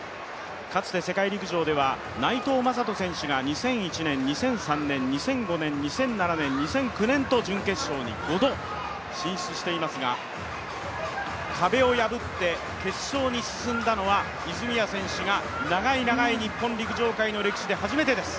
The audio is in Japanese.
かつて世界陸上では内藤選手が２００１年、２００３年、２００５年、２００７年、２００９年と準決勝に５度、進出していますが、壁を破って決勝に進んだのは、泉谷選手が長い長い日本陸上界の歴史の中で初めてです。